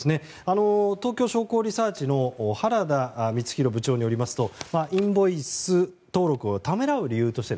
東京商工リサーチの原田三寛部長によりますとインボイス登録をためらう理由として